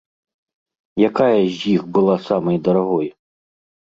Якая з іх была самай дарагой?